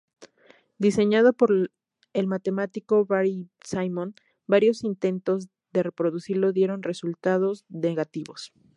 Diseñado por el matemático Barry Simon, varios intentos de reproducirlo dieron resultados negativos.